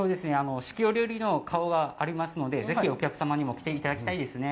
四季折々の顔がありますので、ぜひ、皆さんにも来ていただきたいですね。